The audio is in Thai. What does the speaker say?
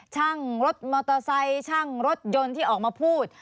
ช่างรถมอเตอร์ไซค์ช่างรถยนต์ที่ออกมาพูด